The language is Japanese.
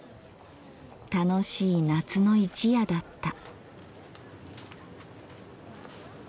楽しい夏の一夜だった」。